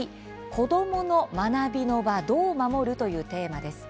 子どもの学びの場どう守る」というテーマです。